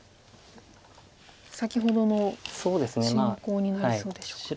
先ほどの進行になりそうでしょうか。